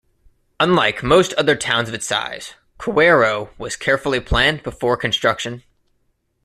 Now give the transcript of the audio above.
Unlike most other towns of its size, Kawerau was carefully planned before construction.